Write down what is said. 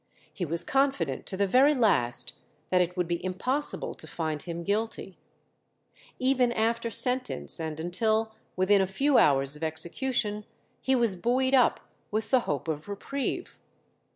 He was confident to the very last that it would be impossible to find him guilty; even after sentence, and until within a few hours of execution, he was buoyed up with the hope of reprieve.